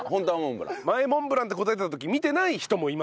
前モンブランって答えた時見てない人もいますから。